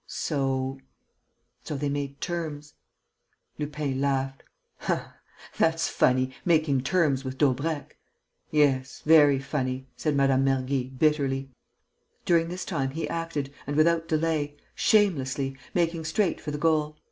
"So...." "So they made terms." Lupin laughed: "That's funny, making terms with Daubrecq!" "Yes, very funny," said Madame Mergy, bitterly. "During this time he acted and without delay, shamelessly, making straight for the goal.